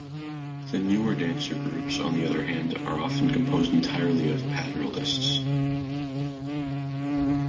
The newer dance groups, on the other hand, are often composed entirely of plattlerists.